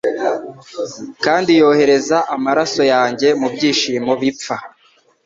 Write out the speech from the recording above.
Kandi yohereza amaraso yanjye mubyishimo bipfa